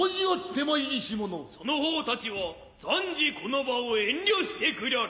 その方たちは暫時この場を遠慮してくりゃれ。